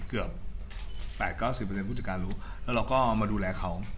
เกือบ๘๙๐ผู้จัดการรู้แล้วเราก็มาดูแลเขา